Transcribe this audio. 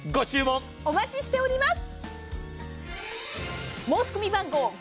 お待ちしております。